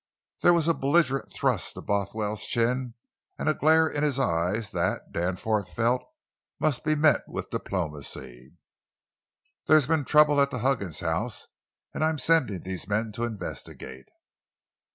There was a belligerent thrust to Bothwell's chin, and a glare in his eyes that, Danforth felt, must be met with diplomacy. "There's been trouble at the Huggins house, and I'm sending these men to investigate."